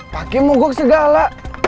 pakai mogok segala